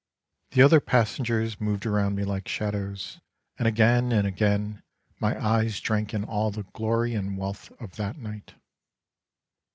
The other passengers moved around me like shadows, and again and again my eyes drank in all the glory and wealth of that night.